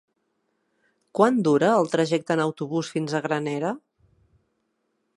Quant dura el trajecte en autobús fins a Granera?